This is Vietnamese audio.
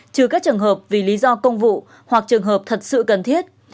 trừ các trường hợp vì lý do công vụ hoặc trường hợp thật sự cần thiết